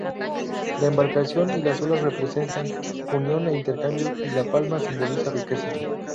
La embarcación y las olas representan unión e intercambio y la palma simboliza riqueza.